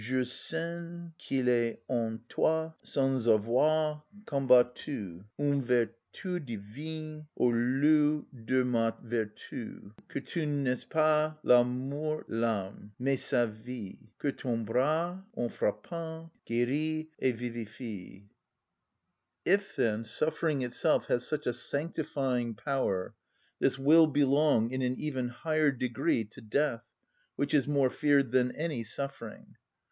_ Je sens qu'il est en toi, sans avoir combattu, Une vertu divine au lieu de ma vertu, Que tu n'es pas la mort l'âme, mais sa vie, Que ton bras, en frappant, guérit et vivifie." If, then, suffering itself has such a sanctifying power, this will belong in an even higher degree to death, which is more feared than any suffering.